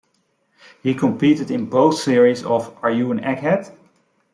He competed in both series of Are You an Egghead?